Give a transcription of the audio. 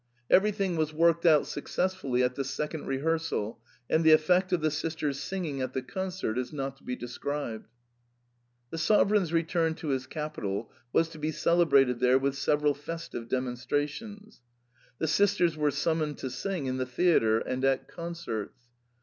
Everything .was worked out successfully at the second rehearsal ; and the effect of the sisters* singing at the concert is not to be described. " The sovereign's return to his capital Was to be cele brated there with several festive demonstrations ; the sisters were summoned to sing in the theatre and at con certs.